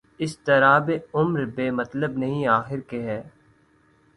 اضطرابِ عمر بے مطلب نہیں آخر کہ ہے